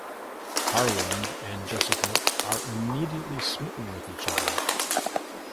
Harland and Jessica are immediately smitten with each other.